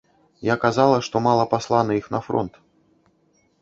Я казала, што мала паслана іх на фронт.